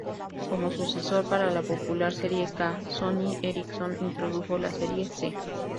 Como sucesor para la popular serie K, Sony Ericsson introdujo la serie 'C'.